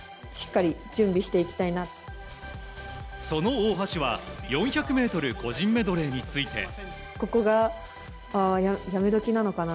その大橋は４００ｍ個人メドレーについて。